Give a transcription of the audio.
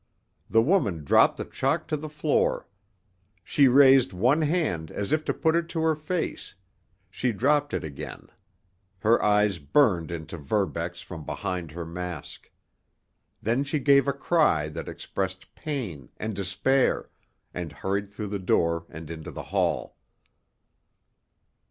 The woman dropped the chalk to the floor. She raised one hand as if to put it to her face; she dropped it again; her eyes burned into Verbeck's from behind her mask; then she gave a cry that expressed pain and despair, and hurried through the door and into the hall.